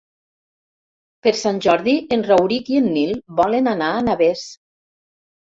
Per Sant Jordi en Rauric i en Nil volen anar a Navès.